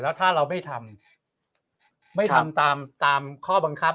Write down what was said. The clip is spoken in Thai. ถ้าเราไม่ทำไม่ทำตามข้อบังคับ